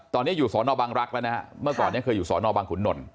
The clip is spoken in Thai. ตอนนี้อยู่สอนอบังรักษ์และเมื่อก่อนยังคือสอนอบังขุนนณ